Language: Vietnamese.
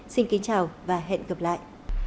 xin kính chào và hẹn gặp lại